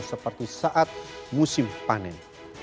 seperti saat musim panen